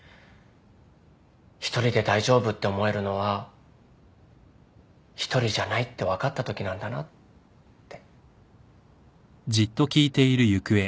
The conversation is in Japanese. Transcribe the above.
１人で大丈夫って思えるのは１人じゃないって分かったときなんだなって。